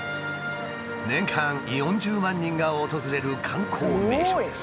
年間４０万人が訪れる観光名所です。